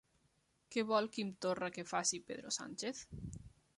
Què vol Quim Torra que faci Pedro Sánchez?